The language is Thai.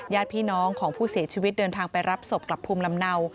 ญาติพี่น้องของผู้เสียชีวิตเดินทางไปรับศพกลับภูมิลำเนา